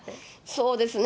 そうですね。